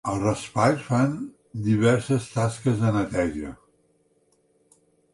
Els raspalls fan diverses tasques de neteja.